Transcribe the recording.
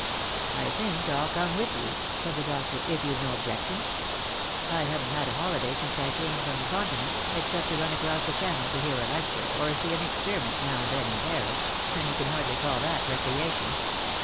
" I think I'll come with you," said the doctor, " if you've no objection. I haven't had a holiday since I came from the Con tinent, except to run across the Channel to hear a lecture, or see an experiment now and then in Paris, and you can hardly call that recreation.